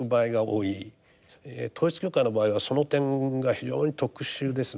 統一教会の場合はその点が非常に特殊ですね。